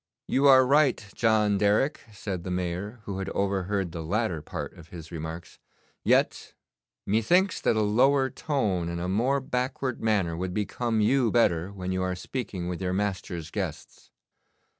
'You are right, John Derrick,' said the Mayor, who had overheard the latter part of his remarks. 'Yet methinks that a lower tone and a more backward manner would become you better when you are speaking with your master's guests.